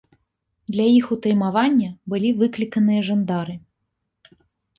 Для іх утаймавання былі выкліканыя жандары.